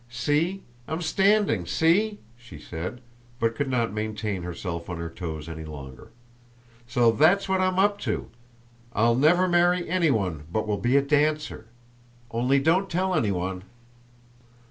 "See, I'm standing! See!" she said, but could not maintain herself on her toes any longer. "So that's what I'm up to! I'll never marry anyone, but will be a dancer. Only don't tell anyone."